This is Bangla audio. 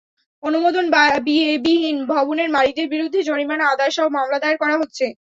অনুমোদন বিহীন ভবনের মালিকদের বিরুদ্ধে জরিমানা আদায়সহ মামলা দায়ের করা হচ্ছে।